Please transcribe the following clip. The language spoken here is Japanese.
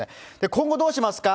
今後どうしますか。